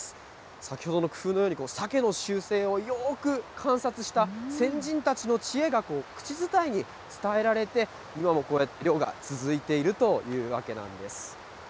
先ほどの工夫のように、サケの習性をよく観察した先人たちの知恵が口伝えに伝えられて、今もこうやって漁が続いているというわけなんです。